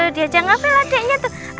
diajak ngapel adeknya tuh